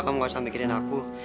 kamu gak usah mikirin aku